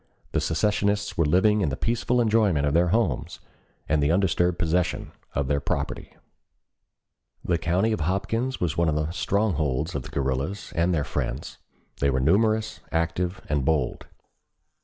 The secessionists were living in the peaceful enjoyment of their homes, and the undisturbed possession of their property. "The county of Hopkins was one of the strongholds of the guerrillas and their friends; they were numerous, active, and bold.